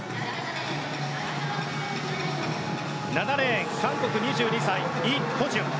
７レーン韓国の２２歳、イ・ホジュン。